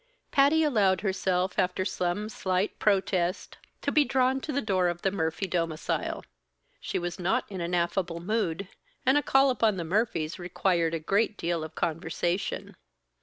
Patty allowed herself, after some slight protest, to be drawn to the door of the Murphy domicile. She was not in an affable mood, and a call upon the Murphys required a great deal of conversation.